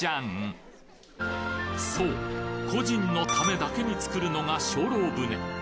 そう故人のためだけに作るのが精霊船